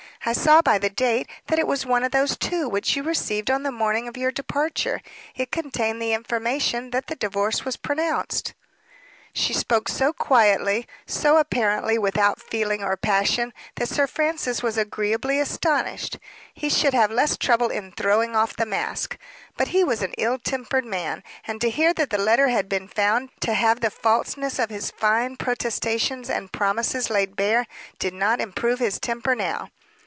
I saw by the date that it was one of those two which you received on the morning of your departure. It contained the information that the divorce was pronounced." She spoke so quietly, so apparently without feeling or passion, that Sir Francis was agreeably astonished. He should have less trouble in throwing off the mask. But he was an ill tempered man; and to hear that the letter had been found to have the falseness of his fine protestations and promises laid bare, did not improve his temper now.